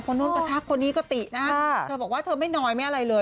นู้นก็ทักคนนี้ก็ตินะเธอบอกว่าเธอไม่น้อยไม่อะไรเลย